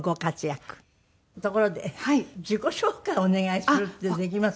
ところで自己紹介をお願いするってできます？